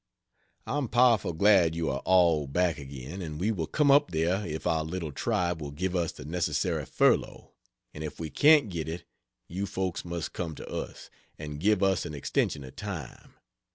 I'm powerful glad you are all back again; and we will come up there if our little tribe will give us the necessary furlough; and if we can't get it, you folks must come to us and give us an extension of time.